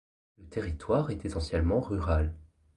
Le territoire est essentiellement rural.